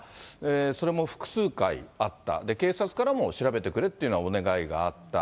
それも複数回あった、警察からも調べてくれってお願いがあった。